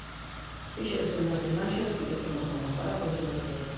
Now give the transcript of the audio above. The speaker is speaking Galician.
Fíxense nas imaxes que lles imos amosar a continuación.